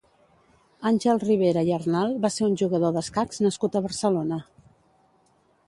Àngel Ribera i Arnal va ser un jugador d'escacs nascut a Barcelona.